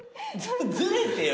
ずれてよ